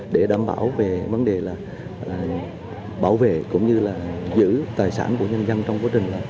để đảm bảo về vấn đề bảo vệ cũng như giữ tài sản của nhân dân trong quá trình